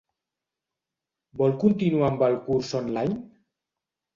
Vol continuar amb el curs online?